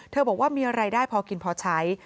เธอบอกว่ามีอะไรได้พอกินพอใช้